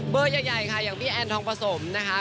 ใหญ่ค่ะอย่างพี่แอนทองผสมนะคะ